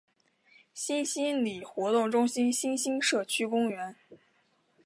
新兴里活动中心新兴社区公园